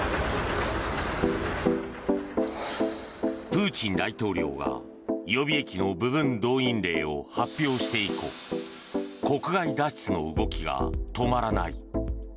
プーチン大統領が予備役の部分動員令を発表して以降国外脱出の動きが止まらない。